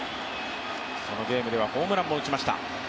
そのゲームではホームランも打ちました。